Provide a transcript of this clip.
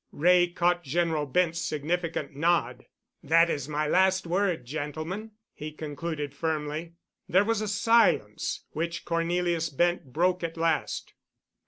Wray caught General Bent's significant nod. "That is my last word, gentlemen," he concluded firmly. There was a silence, which Cornelius Bent broke at last.